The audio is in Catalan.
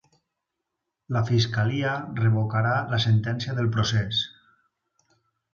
La fiscalia revocarà la sentència del procés